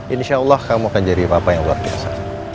insya allah kamu akan jadi bapak yang luar biasa